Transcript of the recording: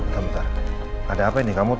ada apa ini kamu telfon kok tiba tiba marah marah